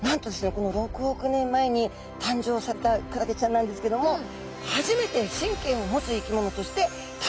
この６億年前に誕生されたクラゲちゃんなんですけども初めて神経を持つ生き物として誕生したそうなんです。